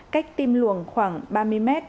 cách tim luồng khoảng ba mươi m